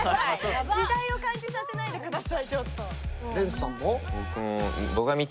時代を感じさせないでくださいちょっと。